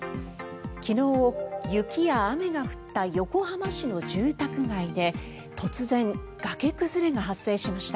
昨日、雪や雨が降った横浜市の住宅街で突然、崖崩れが発生しました。